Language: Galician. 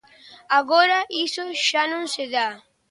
Agora iso xa non se dá.